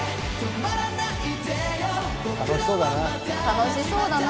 楽しそうだな。